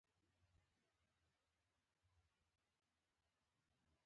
هغه له خپل زاړه بایسکل سره یوځای راغلی و